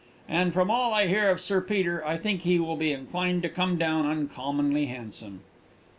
And, from all I hear of Sir Peter, I think he would be inclined to come down uncommonly handsome."